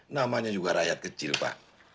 namanya juga rakyat kecil pak